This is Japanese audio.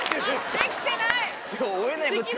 できない。